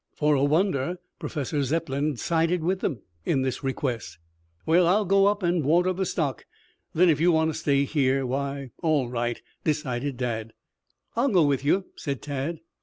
For a wonder, Professor Zepplin sided with them in this request. "Well, I'll go up and water the stock, then if you want to stay here, why, all right," decided Dad. "I will go with you," said Tad.